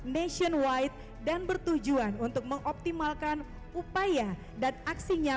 menyanyikan lagu indonesia raya